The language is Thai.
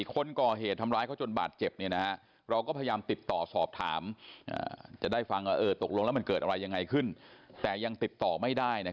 ก็ตามอย่างนี้แหละเขาก็ไม่ได้บอกว่าเขาเมานะ